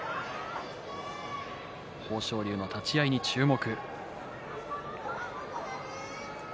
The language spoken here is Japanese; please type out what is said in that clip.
豊昇龍の立ち合いに注目。